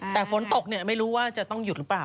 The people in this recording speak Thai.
แต่ฝนตกไม่รู้ว่าจะต้องหยุดหรือเปล่า